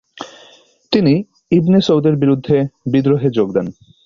তিনি ইবনে সৌদের বিরুদ্ধে বিদ্রোহে যোগ দেন।